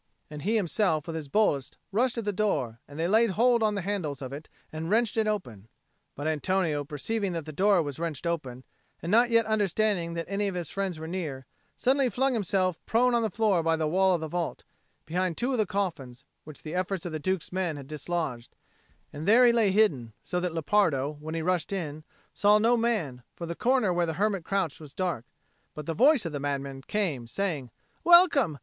and himself with his boldest rushed at the door, and they laid hold on the handles of it and wrenched it open. But Antonio, perceiving that the door was wrenched open, and not yet understanding that any of his friends were near, suddenly flung himself prone on the floor by the wall of the vault, behind two of the coffins which the efforts of the Duke's men had dislodged; and there he lay hidden; so that Lepardo, when he rushed in, saw no man, for the corner where the hermit crouched was dark; but the voice of the madman came, saying, "Welcome!